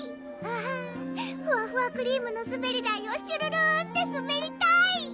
あぁふわふわクリームのすべり台をしゅるるんってすべりたい！